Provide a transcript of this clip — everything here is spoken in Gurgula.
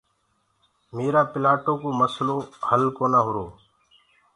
ميرو پِلآٽو ڪو مسلو هل ڪونآ هُرو۔